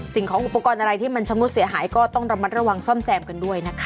สิ่งของอุปกรณ์อะไรที่มันชำรุดเสียหายก็ต้องระมัดระวังซ่อมแซมกันด้วยนะคะ